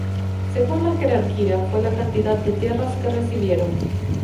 Según la jerarquía, fue la cantidad de tierras que recibieron.